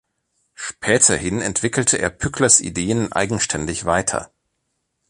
Späterhin entwickelte er Pücklers Ideen eigenständig weiter.